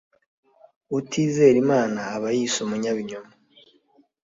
utizera Imana aba ayise umunyabinyoma,